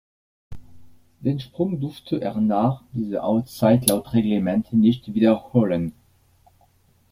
Den Sprung durfte er nach dieser Auszeit laut Reglement nicht wiederholen.